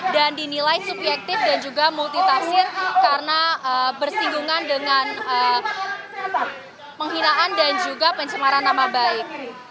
dan dinilai subjektif dan juga multitaksir karena bersinggungan dengan penghinaan dan juga pencemaran nama baik